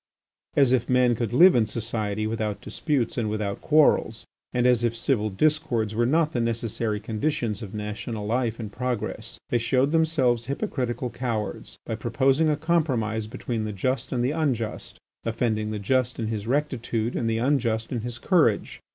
As if men could live in society without disputes and without quarrels, and as if civil discords were not the necessary conditions of national life and progress. They showed themselves hypocritical cowards by proposing a compromise between the just and the unjust, offending the just in his rectitude and the unjust in his courage.